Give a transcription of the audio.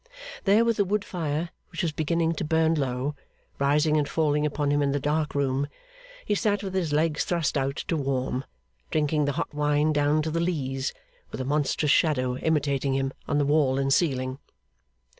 There with the wood fire, which was beginning to burn low, rising and falling upon him in the dark room, he sat with his legs thrust out to warm, drinking the hot wine down to the lees, with a monstrous shadow imitating him on the wall and ceiling.